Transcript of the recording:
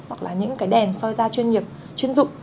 hoặc là những cái đèn soi da chuyên nghiệp chuyên dụng